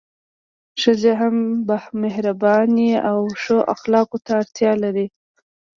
ښځي هم مهربانۍ او ښو اخلاقو ته اړتیا لري